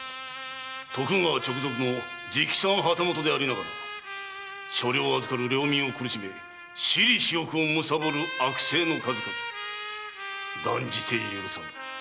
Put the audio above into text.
徳川直属の直参旗本でありながら所領を預かる領民を苦しめ私利私欲をむさぼる悪政の数々断じて許さん！